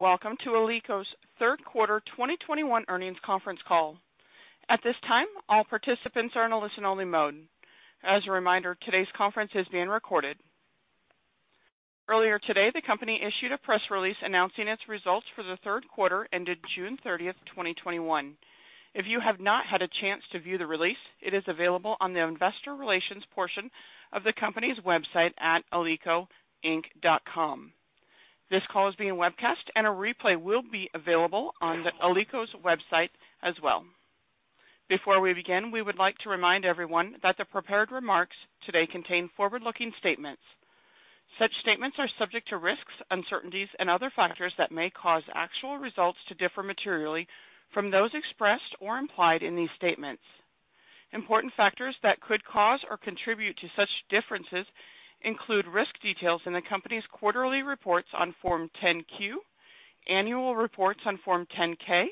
Welcome to Alico's third quarter 2021 earnings conference call. At this time, all participants are in listen-only mode. As a reminder, today's conference is being recorded. Earlier today, the company issued a press release announcing its results for the third quarter ended June 30th, 2021. If you have not had a chance to view the release, it is available on the investor relations portion of the company's website at alicoinc.com. This call is being webcast and a replay will be available on Alico's website as well. Before we begin, we would like to remind everyone that the prepared remarks today contain forward-looking statements. Such statements are subject to risks, uncertainties, and other factors that may cause actual results to differ materially from those expressed or implied in these statements. Important factors that could cause or contribute to such differences include risk details in the company's quarterly reports on Form 10-Q, annual reports on Form 10-K,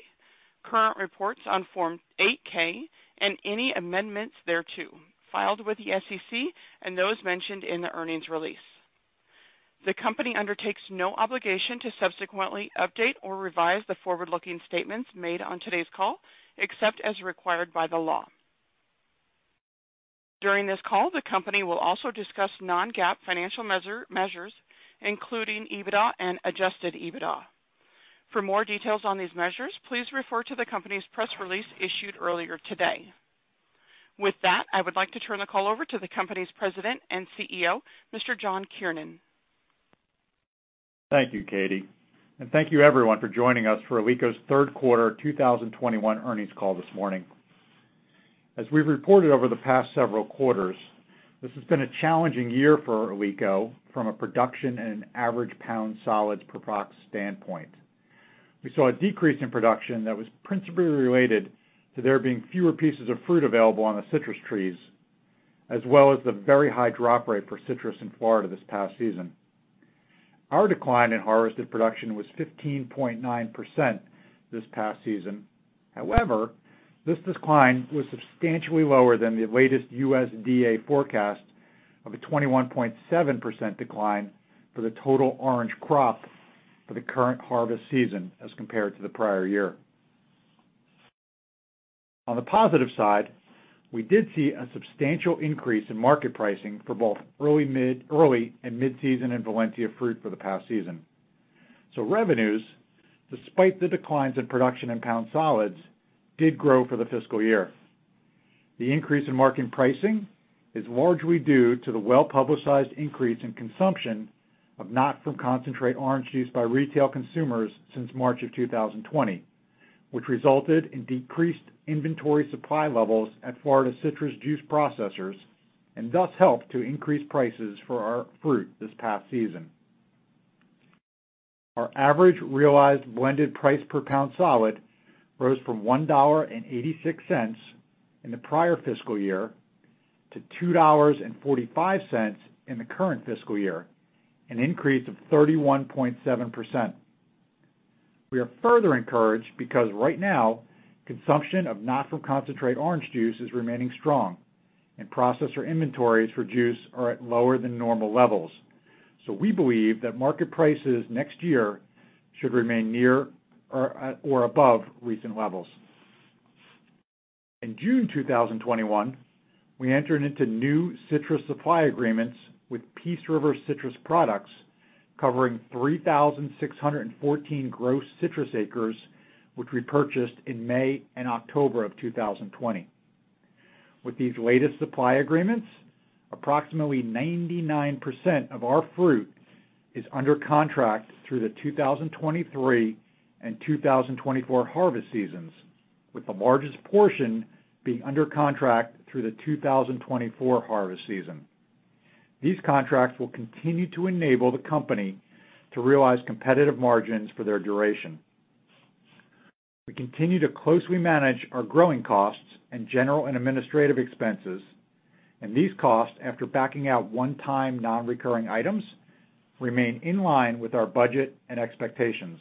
current reports on Form 8-K, and any amendments thereto, filed with the SEC, and those mentioned in the earnings release. The company undertakes no obligation to subsequently update or revise the forward-looking statements made on today's call, except as required by the law. During this call, the company will also discuss non-GAAP financial measures, including EBITDA and adjusted EBITDA. For more details on these measures, please refer to the company's press release issued earlier today. With that, I would like to turn the call over to the company's President and CEO, Mr. John Kiernan. Thank you, Katie. Thank you everyone for joining us for Alico's third quarter 2021 earnings call this morning. As we've reported over the past several quarters, this has been a challenging year for Alico from a production and average pound solids per box standpoint. We saw a decrease in production that was principally related to there being fewer pieces of fruit available on the citrus trees, as well as the very high drop rate for citrus in Florida this past season. Our decline in harvested production was 15.9% this past season. However, this decline was substantially lower than the latest USDA forecast of a 21.7% decline for the total orange crop for the current harvest season as compared to the prior year. On the positive side, we did see a substantial increase in market pricing for both early and mid-season in Valencia fruit for the past season. Revenues, despite the declines in production and pound solids, did grow for the fiscal year. The increase in market pricing is largely due to the well-publicized increase in consumption of not from concentrate orange juice by retail consumers since March of 2020, which resulted in decreased inventory supply levels at Florida citrus juice processors and thus helped to increase prices for our fruit this past season. Our average realized blended price per pound solid rose from $1.86 in the prior fiscal year to $2.45 in the current fiscal year, an increase of 31.7%. We are further encouraged because right now, consumption of not from concentrate orange juice is remaining strong, and processor inventories for juice are at lower than normal levels. We believe that market prices next year should remain near or above recent levels. In June 2021, we entered into new citrus supply agreements with Peace River Citrus Products covering 3,614 gross citrus acres, which we purchased in May and October of 2020. With these latest supply agreements, approximately 99% of our fruit is under contract through the 2023 and 2024 harvest seasons, with the largest portion being under contract through the 2024 harvest season. These contracts will continue to enable the company to realize competitive margins for their duration. We continue to closely manage our growing costs and general and administrative expenses, and these costs, after backing out one-time non-recurring items, remain in line with our budget and expectations.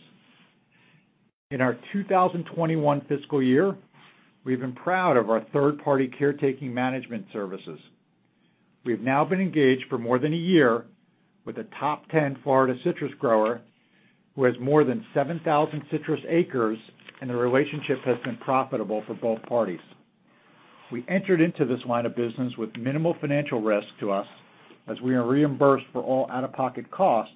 In our 2021 fiscal year, we've been proud of our third-party caretaking management services. We have now been engaged for more than a year with a top 10 Florida citrus grower who has more than 7,000 citrus acres, and the relationship has been profitable for both parties. We entered into this line of business with minimal financial risk to us as we are reimbursed for all out-of-pocket costs,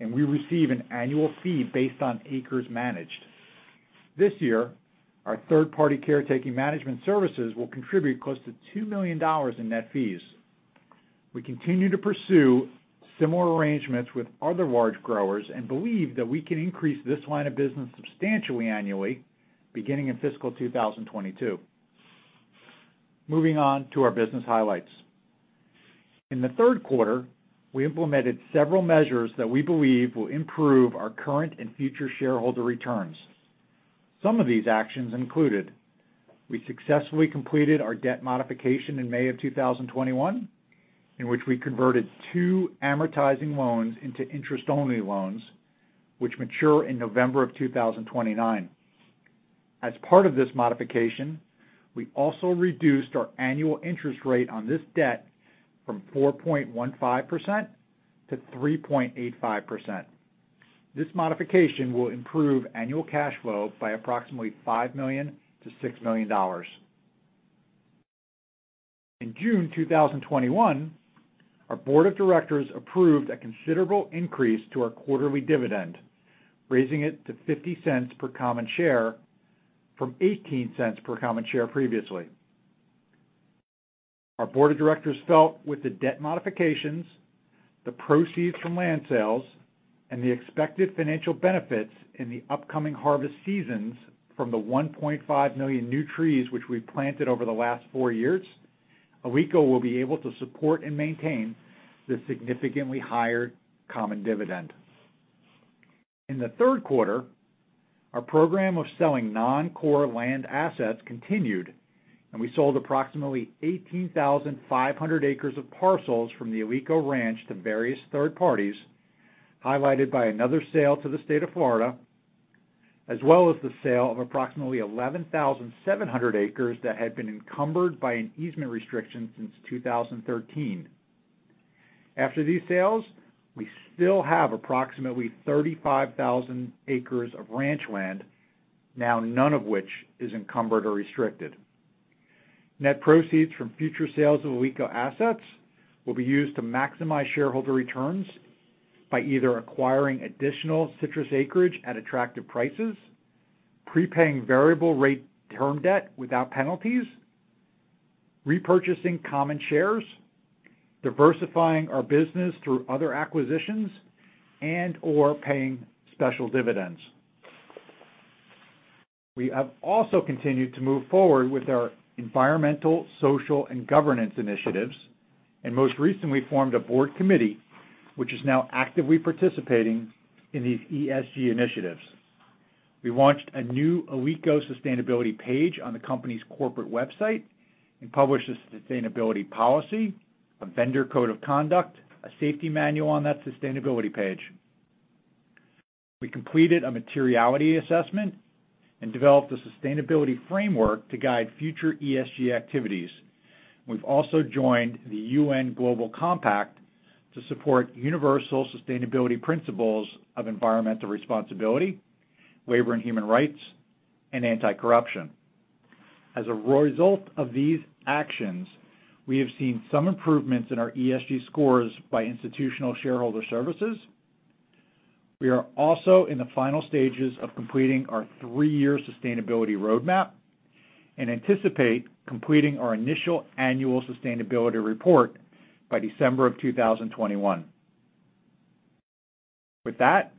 and we receive an annual fee based on acres managed. This year, our third-party caretaking management services will contribute close to $2 million in net fees. We continue to pursue similar arrangements with other large growers and believe that we can increase this line of business substantially annually beginning in fiscal 2022. Moving on to our business highlights. In the third quarter, we implemented several measures that we believe will improve our current and future shareholder returns. Some of these actions included: We successfully completed our debt modification in May of 2021, in which we converted two amortizing loans into interest-only loans, which mature in November of 2029. As part of this modification, we also reduced our annual interest rate on this debt from 4.15% to 3.85%. This modification will improve annual cash flow by approximately $5 million-$6 million. In June 2021, our board of directors approved a considerable increase to our quarterly dividend, raising it to $0.50 per common share from $0.18 per common share previously. Our board of directors felt with the debt modifications, the proceeds from land sales, and the expected financial benefits in the upcoming harvest seasons from the 1.5 million new trees which we planted over the last four years, Alico will be able to support and maintain the significantly higher common dividend. In the third quarter, our program of selling non-core land assets continued, and we sold approximately 18,500 acres of parcels from the Alico Ranch to various third parties, highlighted by another sale to the State of Florida, as well as the sale of approximately 11,700 acres that had been encumbered by an easement restriction since 2013. After these sales, we still have approximately 35,000 acres of ranch land, now none of which is encumbered or restricted. Net proceeds from future sales of Alico assets will be used to maximize shareholder returns by either acquiring additional citrus acreage at attractive prices, prepaying variable rate term debt without penalties, repurchasing common shares, diversifying our business through other acquisitions, and/or paying special dividends. We have also continued to move forward with our environmental, social, and governance initiatives, and most recently formed a board committee which is now actively participating in these ESG initiatives. We launched a new Alico sustainability page on the company's corporate website and published a sustainability policy, a vendor code of conduct, a safety manual on that sustainability page. We completed a materiality assessment and developed a sustainability framework to guide future ESG activities. We've also joined the UN Global Compact to support universal sustainability principles of environmental responsibility, labor and human rights, and anti-corruption. As a result of these actions, we have seen some improvements in our ESG scores by Institutional Shareholder Services. We are also in the final stages of completing our three-year sustainability roadmap and anticipate completing our initial annual sustainability report by December of 2021. With that,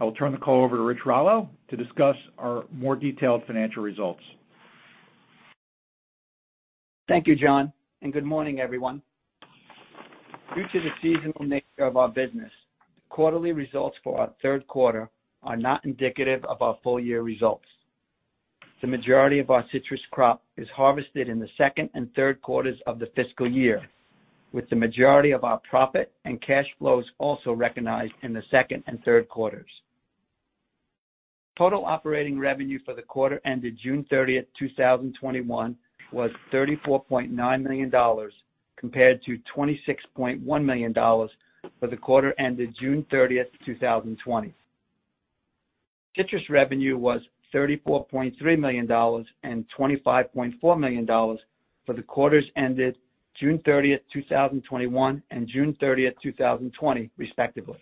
I will turn the call over to Richard Rallo to discuss our more detailed financial results. Thank you, John, and good morning, everyone. Due to the seasonal nature of our business, quarterly results for our third quarter are not indicative of our full year results. The majority of our citrus crop is harvested in the second and third quarters of the fiscal year, with the majority of our profit and cash flows also recognized in the second and third quarters. Total operating revenue for the quarter ended June 30, 2021, was $34.9 million, compared to $26.1 million for the quarter ended June 30, 2020. Citrus revenue was $34.3 million and $25.4 million for the quarters ended June 30, 2021, and June 30, 2020, respectively.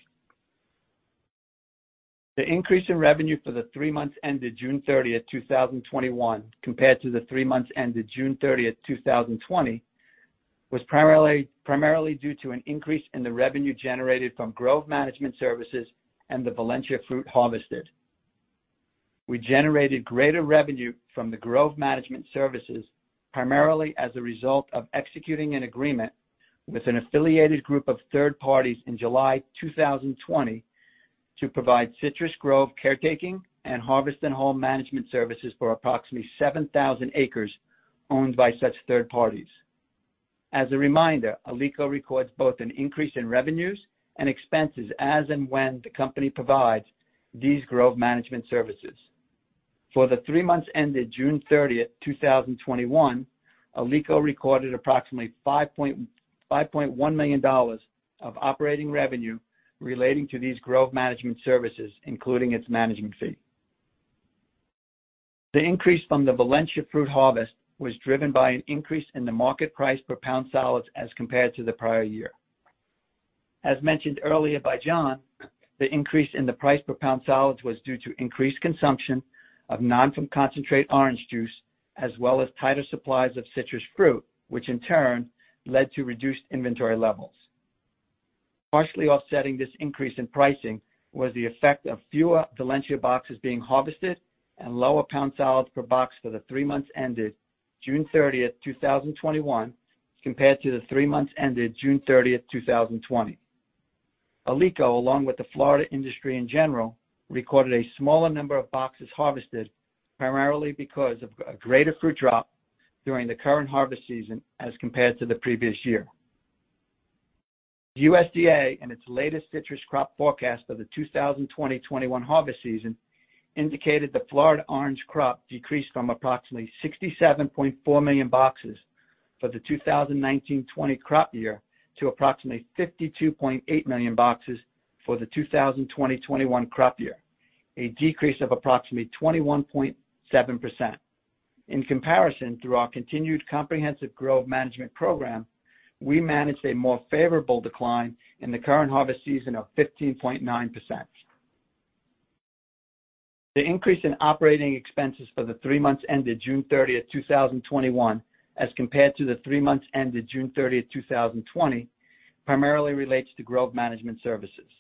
The increase in revenue for the three months ended June 30, 2021, compared to the three months ended June 30, 2020, was primarily due to an increase in the revenue generated from grove management services and the Valencia fruit harvested. We generated greater revenue from the grove management services primarily as a result of executing an agreement with an affiliated group of third parties in July 2020 to provide citrus grove caretaking and harvest and haul management services for approximately 7,000 acres owned by such third parties. As a reminder, Alico records both an increase in revenues and expenses as and when the company provides these grove management services. For the three months ended June 30, 2021, Alico recorded approximately $5.1 million of operating revenue relating to these grove management services, including its management fee. The increase from the Valencia fruit harvest was driven by an increase in the market price per pound solids as compared to the prior year. As mentioned earlier by John, the increase in the price per pound solids was due to increased consumption of not from concentrate orange juice, as well as tighter supplies of citrus fruit, which in turn led to reduced inventory levels. Partially offsetting this increase in pricing was the effect of fewer Valencia boxes being harvested and lower pound solids per box for the three months ended June 30, 2021, compared to the three months ended June 30, 2020. Alico, along with the Florida industry in general, recorded a smaller number of boxes harvested, primarily because of a greater fruit drop during the current harvest season as compared to the previous year. USDA, in its latest citrus crop forecast of the 2020/2021 harvest season, indicated the Florida orange crop decreased from approximately 67.4 million boxes for the 2019/2020 crop year to approximately 52.8 million boxes for the 2020/2021 crop year, a decrease of approximately 21.7%. In comparison, through our continued comprehensive grove management program, we managed a more favorable decline in the current harvest season of 15.9%. The increase in operating expenses for the three months ended June 30, 2021, as compared to the three months ended June 30, 2020, primarily relates to Grove Management services.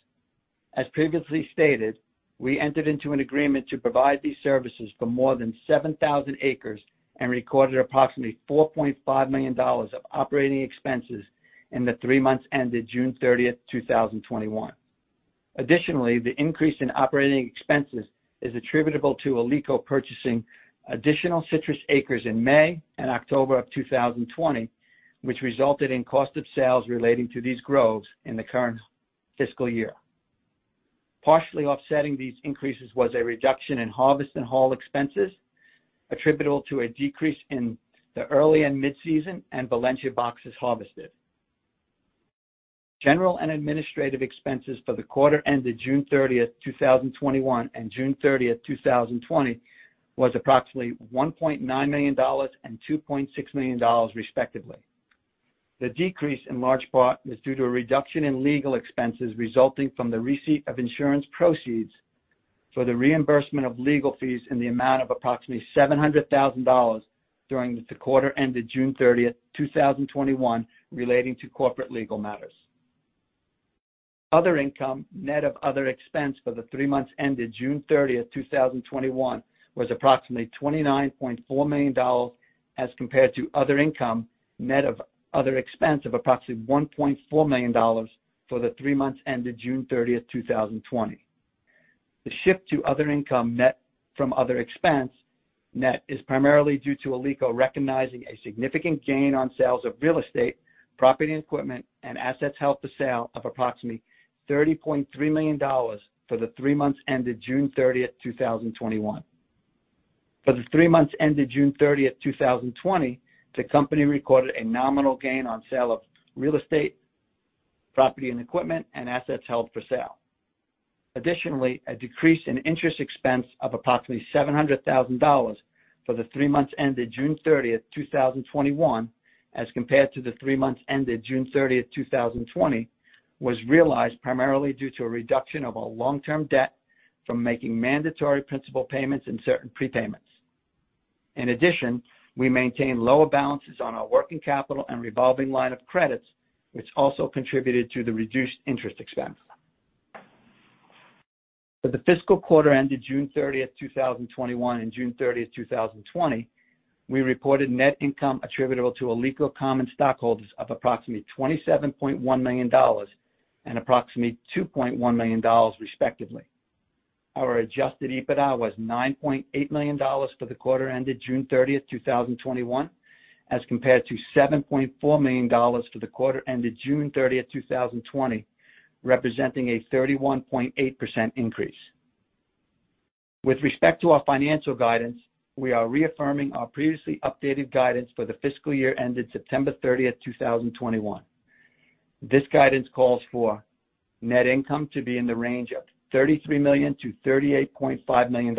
As previously stated, we entered into an agreement to provide these services for more than 7,000 acres and recorded approximately $4.5 million of operating expenses in the three months ended June 30, 2021. The increase in operating expenses is attributable to Alico purchasing additional citrus acres in May and October of 2020, which resulted in cost of sales relating to these groves in the current fiscal year. Partially offsetting these increases was a reduction in harvest and haul expenses attributable to a decrease in the early and mid-season and Valencia boxes harvested. General and administrative expenses for the quarter ended June 30, 2021, and June 30, 2020, was approximately $1.9 million and $2.6 million, respectively. The decrease, in large part, is due to a reduction in legal expenses resulting from the receipt of insurance proceeds for the reimbursement of legal fees in the amount of approximately $700,000 during the quarter ended June 30, 2021, relating to corporate legal matters. Other income, net of other expense for the three months ended June 30, 2021, was approximately $29.4 million as compared to other income net of other expense of approximately $1.4 million for the three months ended June 30, 2020. The shift to other income net from other expense net is primarily due to Alico recognizing a significant gain on sales of real estate, property and equipment, and assets held for sale of approximately $30.3 million for the three months ended June 30, 2021. For the three months ended June 30, 2020, the company recorded a nominal gain on sale of real estate, property and equipment, and assets held for sale. Additionally, a decrease in interest expense of approximately $700,000 for the three months ended June 30, 2021, as compared to the three months ended June 30, 2020, was realized primarily due to a reduction of our long-term debt from making mandatory principal payments and certain prepayments. In addition, we maintain lower balances on our working capital and revolving line of credits, which also contributed to the reduced interest expense. For the fiscal quarter ended June 30, 2021, and June 30, 2020, we reported net income attributable to Alico common stockholders of approximately $27.1 million and approximately $2.1 million, respectively. Our adjusted EBITDA was $9.8 million for the quarter ended June 30th, 2021, as compared to $7.4 million for the quarter ended June 30th, 2020, representing a 31.8% increase. With respect to our financial guidance, we are reaffirming our previously updated guidance for the fiscal year ended September 30th, 2021. This guidance calls for net income to be in the range of $33 million-$38.5 million.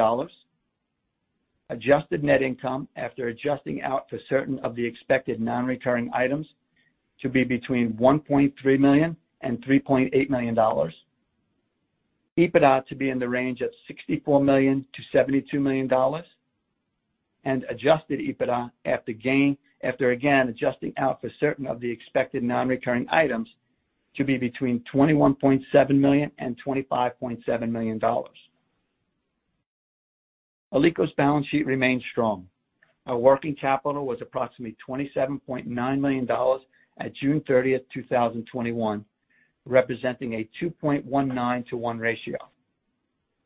adjusted net income after adjusting out for certain of the expected non-recurring items to be between $1.3 million and $3.8 million. EBITDA to be in the range of $64 million-$72 million, and adjusted EBITDA after again, adjusting out for certain of the expected non-recurring items to be between $21.7 million and $25.7 million. Alico's balance sheet remains strong. Our working capital was approximately $27.9 million at June 30th, 2021, representing a 2.19:1 ratio.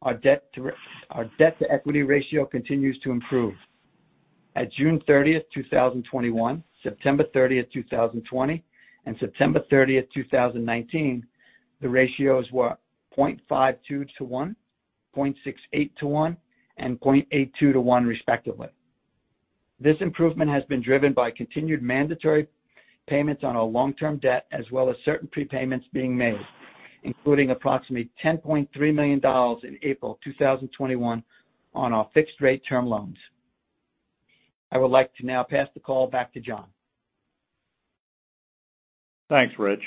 Our debt to equity ratio continues to improve. At June 30th, 2021, September 30th, 2020, and September 30th, 2019, the ratios were 0.52:1, 0.68:1, and 0.82:1 respectively. This improvement has been driven by continued mandatory payments on our long-term debt, as well as certain prepayments being made, including approximately $10.3 million in April 2021 on our fixed rate term loans. I would like to now pass the call back to John. Thanks, Rich.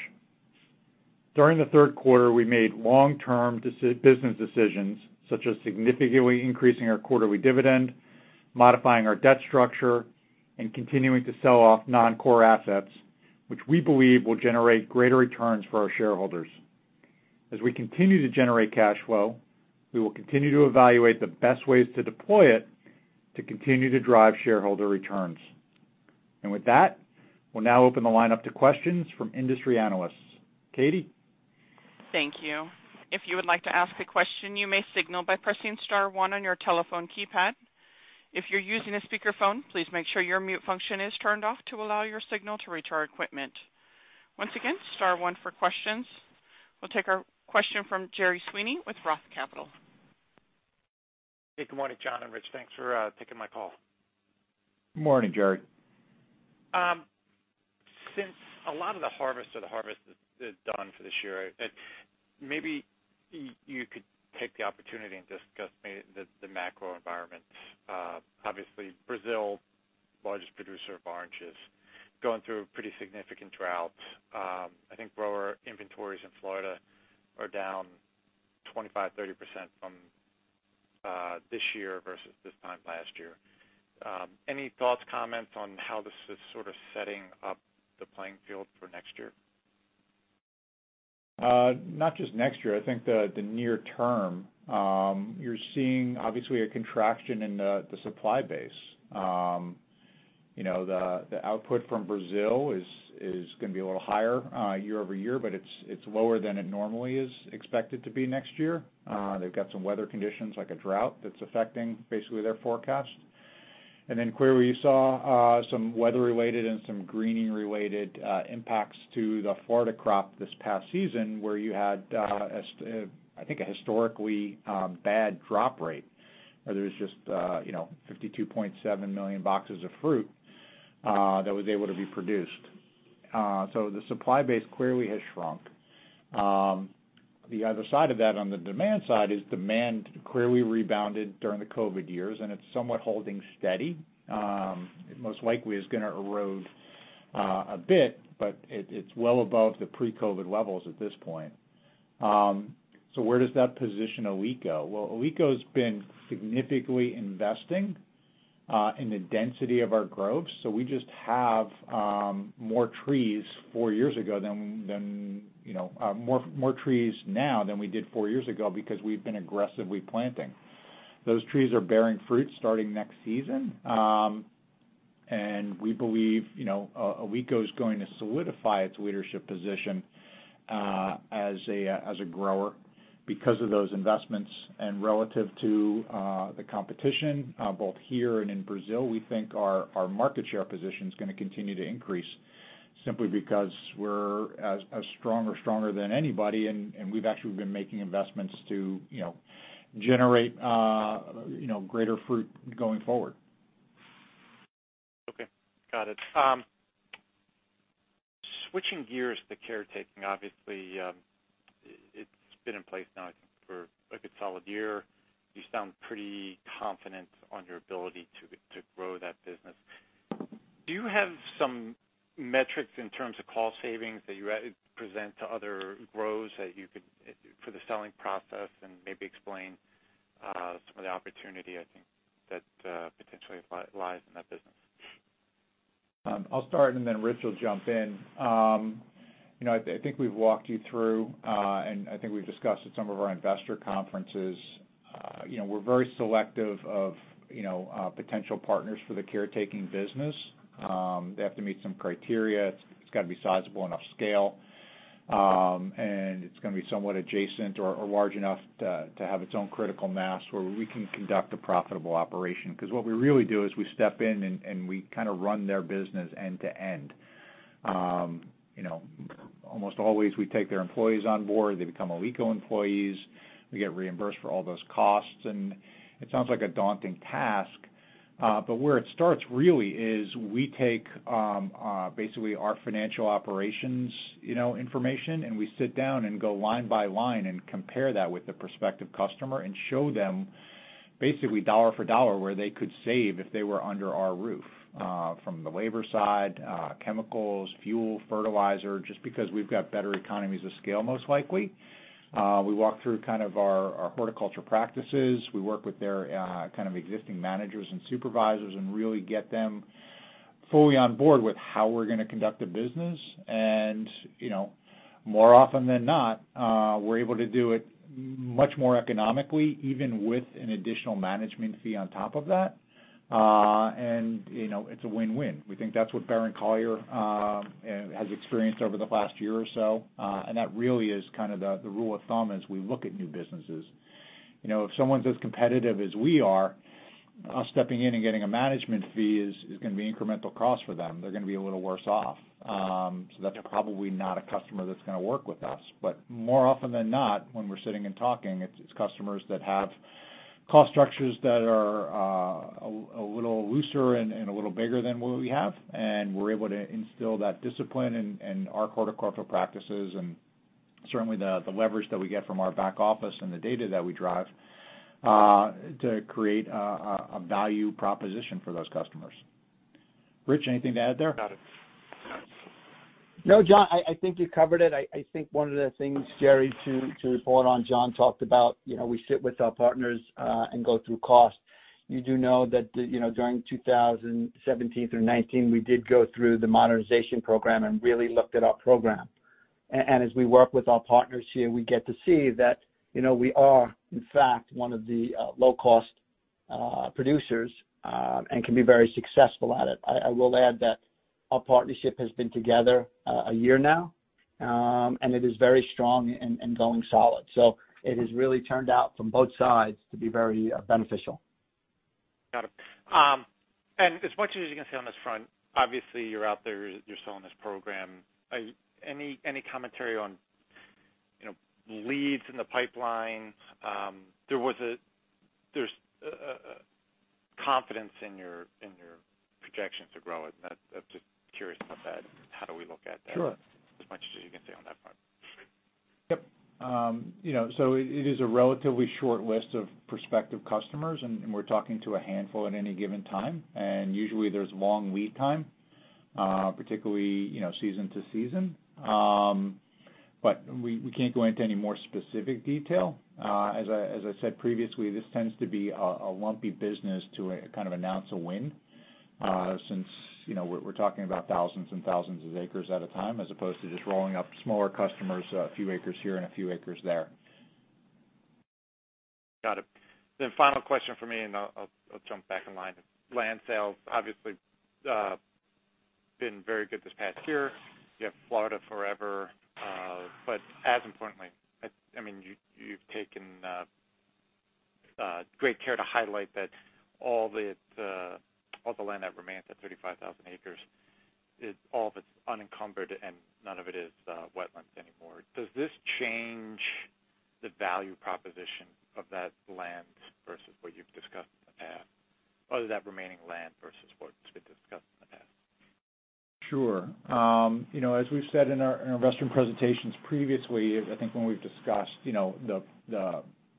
During the third quarter, we made long-term business decisions such as significantly increasing our quarterly dividend, modifying our debt structure, and continuing to sell off non-core assets, which we believe will generate greater returns for our shareholders. As we continue to generate cash flow, we will continue to evaluate the best ways to deploy it to continue to drive shareholder returns. With that, we'll now open the line up to questions from industry analysts. Katie? Thank you. If you would like to ask a question, you may signal by pressing star one on your telephone keypad. If you're using a speakerphone, please make sure your mute function is turned off to allow your signal to reach our equipment. Once again, star one for questions. We'll take our question from Gerard Sweeney with ROTH Capital Partners. Hey, good morning, John Kiernan and Richard Rallo. Thanks for taking my call. Good morning, Gerard Sweeney. Since a lot of the harvest is done for this year, maybe you could take the opportunity and discuss maybe the macro environment. Obviously, Brazil, largest producer of oranges, going through a pretty significant drought. I think grower inventories in Florida are down 25%, 30% from this year versus this time last year. Any thoughts, comments on how this is sort of setting up the playing field for next year? Not just next year. I think the near term. You're seeing, obviously, a contraction in the supply base. The output from Brazil is going to be a little higher year-over-year, but it's lower than it normally is expected to be next year. They've got some weather conditions, like a drought, that's affecting basically their forecast. Clearly you saw some weather-related and some greening-related impacts to the Florida crop this past season, where you had, I think, a historically bad drop rate where there was just 52.7 million boxes of fruit that was able to be produced. The supply base clearly has shrunk. The other side of that, on the demand side, is demand clearly rebounded during the COVID years, and it's somewhat holding steady. It most likely is going to erode a bit, but it's well above the pre-COVID levels at this point. Where does that position Alico? Well, Alico's been significantly investing in the density of our groves, so we just have more trees now than we did four years ago because we've been aggressively planting. Those trees are bearing fruit starting next season. We believe Alico is going to solidify its leadership position as a grower because of those investments. Relative to the competition both here and in Brazil, we think our market share position is going to continue to increase simply because we're as strong or stronger than anybody, and we've actually been making investments to generate greater fruit going forward. Okay. Got it. Switching gears to caretaking, obviously, it's been in place now, I think, for a good solid year. You sound pretty confident on your ability to grow that business. Do you have some metrics in terms of cost savings that you present to other groves for the selling process, maybe explain some of the opportunity, I think, that potentially lies in that business? I'll start, then Rich will jump in. I think we've walked you through, I think we've discussed at some of our investor conferences, we're very selective of potential partners for the caretaking business. They have to meet some criteria. It's got to be sizable enough scale. It's got to be somewhat adjacent or large enough to have its own critical mass where we can conduct a profitable operation. Because what we really do is we step in and we kind of run their business end to end. Almost always, we take their employees on board. They become Alico employees. We get reimbursed for all those costs. It sounds like a daunting task. Where it starts really is we take basically our financial operations information, and we sit down and go line by line and compare that with the prospective customer and show them basically dollar for dollar where they could save if they were under our roof. From the labor side, chemicals, fuel, fertilizer, just because we've got better economies of scale most likely. We walk through kind of our horticulture practices. We work with their kind of existing managers and supervisors and really get them fully on board with how we're going to conduct the business. More often than not, we're able to do it much more economically, even with an additional management fee on top of that. It's a win-win. We think that's what Barron Collier has experienced over the last year or so. That really is kind of the rule of thumb as we look at new businesses. If someone's as competitive as we are, us stepping in and getting a management fee is going to be incremental cost for them. They're going to be a little worse off. That's probably not a customer that's going to work with us. More often than not, when we're sitting and talking, it's customers that have cost structures that are a little looser and a little bigger than what we have, and we're able to instill that discipline and our horticultural practices and certainly the leverage that we get from our back office and the data that we drive to create a value proposition for those customers. Rich, anything to add there? Got it. No, John, I think you covered it. I think one of the things, Jerry, to report on, John talked about we sit with our partners and go through cost. You do know that during 2017 through 2019, we did go through the modernization program and really looked at our program. As we work with our partners here, we get to see that we are, in fact, one of the low-cost producers, and can be very successful at it. I will add that our partnership has been together a year now, and it is very strong and going solid. It has really turned out from both sides to be very beneficial. Got it. As much as you can say on this front, obviously you're out there, you're selling this program. Any commentary on leads in the pipeline? There's confidence in your projection to grow it. I'm just curious about that. How do we look at that? Sure. As much as you can say on that front. Yep. It is a relatively short list of prospective customers, and we're talking to a handful at any given time. Usually there's long lead time, particularly season to season. We can't go into any more specific detail. As I said previously, this tends to be a lumpy business to kind of announce a win, since we're talking about thousands and thousands of acres at a time as opposed to just rolling up smaller customers, a few acres here and a few acres there. Got it. Final question from me, and I'll jump back in line. Land sales obviously been very good this past year. You have Florida Forever. As importantly, you've taken great care to highlight that all the land that remains at 35,000 acres, all of it's unencumbered and none of it is wetlands anymore. Does this change the value proposition of that land versus what you've discussed in the past? That remaining land versus what's been discussed in the past? Sure. As we've said in our investor presentations previously, I think when we've discussed the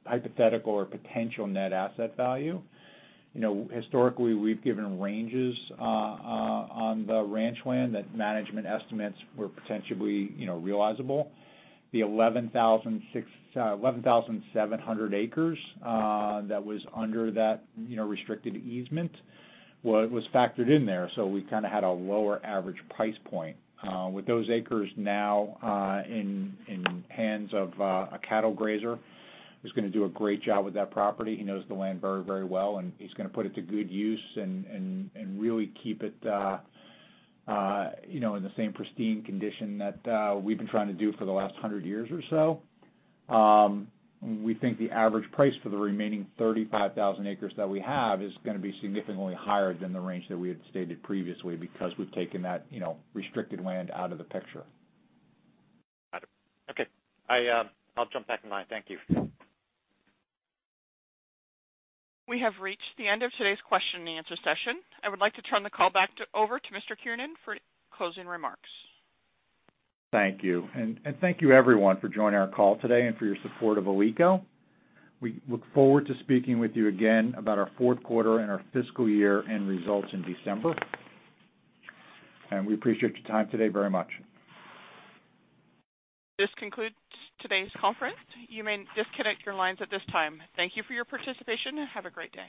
hypothetical or potential net asset value. Historically, we've given ranges on the ranch land that management estimates were potentially realizable. The 11,700 acres that was under that restricted easement was factored in there. We kind of had a lower average price point. With those acres now in hands of a cattle grazer, who's going to do a great job with that property. He knows the land very well, and he's going to put it to good use and really keep it in the same pristine condition that we've been trying to do for the last 100 years or so. We think the average price for the remaining 35,000 acres that we have is going to be significantly higher than the range that we had stated previously because we've taken that restricted land out of the picture. Got it. Okay. I'll jump back in line. Thank you. We have reached the end of today's question and answer session. I would like to turn the call back over to Mr. Kiernan for closing remarks. Thank you. Thank you everyone for joining our call today and for your support of Alico. We look forward to speaking with you again about our fourth quarter and our fiscal year-end results in December. We appreciate your time today very much. This concludes today's conference. You may disconnect your lines at this time. Thank you for your participation, and have a great day.